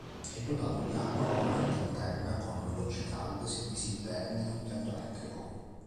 È dotato di acqua corrente interna con docce calde, servizi interni, impianto elettrico.